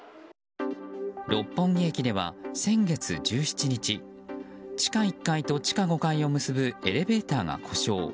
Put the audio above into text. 六本木駅では先月１７日地下１階と地下５階を結ぶエレベーターが故障。